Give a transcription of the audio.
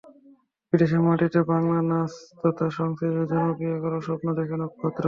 বিদেশের মাটিতেও বাংলা নাচ তথা সংস্কৃতিকে জনপ্রিয় করার স্বপ্ন দেখে নক্ষত্র।